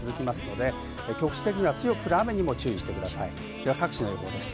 では各地の予報です。